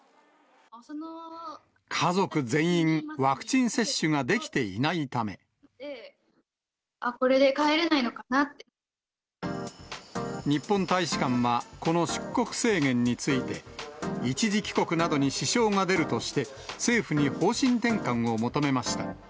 家族全員、あ、これで帰れないのかなっ日本大使館はこの出国制限について、一時帰国などに支障が出るとして、政府に方針転換を求めました。